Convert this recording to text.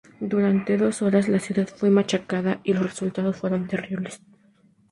Durante dos horas la ciudad fue machacada y los resultados fueron terribles.